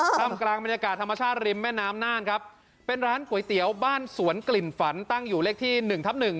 ทำกลางบรรยากาศธรรมชาติริมแม่น้ำน่านครับเป็นร้านก๋วยเตี๋ยวบ้านสวนกลิ่นฝันตั้งอยู่เลขที่หนึ่งทับหนึ่ง